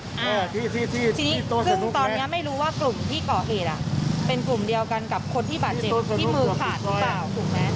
ซึ่งตอนนี้ไม่รู้ว่ากลุ่มที่ก่อเหตุเป็นกลุ่มเดียวกันกับคนที่บาดเจ็บที่มือขาดหรือเปล่าถูกไหม